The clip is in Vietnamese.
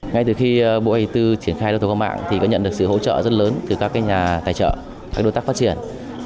ngay từ khi bộ hải tư triển khai đấu thầu có mạng thì có nhận được sự hỗ trợ rất lớn từ các nhà tài trợ các đối tác phát triển